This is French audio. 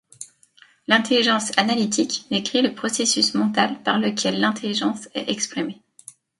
L'intelligence analytique décrit le processus mental par lequel l'intelligence est exprimée.